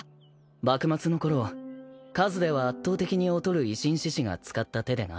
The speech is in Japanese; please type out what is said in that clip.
幕末の頃数では圧倒的に劣る維新志士が使った手でな。